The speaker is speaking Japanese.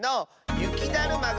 ゆきだるまが。